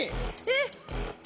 えっ！